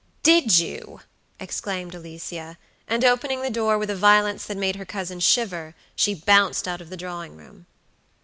"Did you?" exclaimed Alicia; and opening the door with a violence that made her cousin shiver, she bounced out of the drawing room.